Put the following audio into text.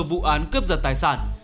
vụ án cướp giật tài sản